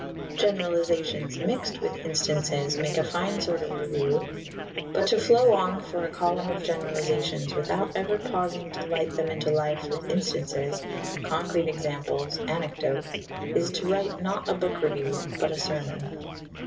Generalizations mixed with instances make a fine sort of review, but to flow on for a column of generalizations without ever pausing to light them into life with instances, concrete examples, anecdotes, is to write not a book review but a sermon.